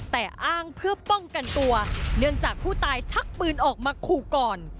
แต่อ้างเพื่อป้องกันตัวเนื่องจากผู้ตายชักปืนออกมาขู่ก่อน